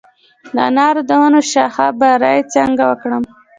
د انارو د ونو شاخه بري څنګه وکړم؟